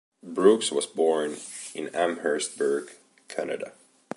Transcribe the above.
Brooks was born in Amherstburg, Canada.